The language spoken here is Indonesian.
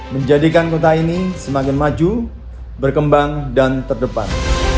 menjadikan kota ini semakin maju berkembang dan terdepan